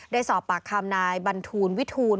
ได้สอบปากคำนายบรรทูลวิทูล